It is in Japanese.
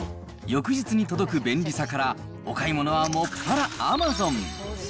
翌日に届く便利さから、お買い物はもっぱらアマゾン。